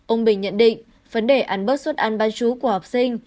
ông bình nhận định vấn đề ăn bớt suất ăn bán chú của học sinh